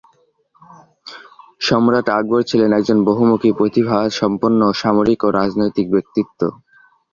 সম্রাট আকবর ছিলেন একজন বহুমুখী প্রতিভাসম্পন্ন সামরিক ও রাজনৈতিক ব্যক্তিত্ব।